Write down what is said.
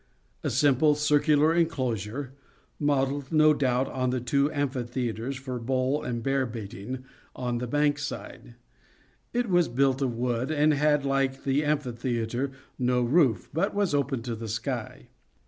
A simple circular en closure, modelled no doubt on the two amphi theatres for bull and bear baiting on The Bankside, it was built of wood, and had, like the amphitheatre, no roof, but was open to the sky.